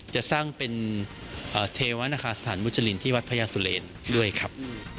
จะสร้างเป็นเทวนาคาสถานมุจรินที่วัดพระยาสุเรนด้วยครับ